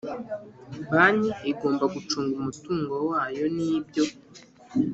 Banki igomba gucunga umutungo wayo n ibyo